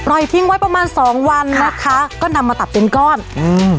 ทิ้งไว้ประมาณสองวันนะคะก็นำมาตัดเป็นก้อนอืม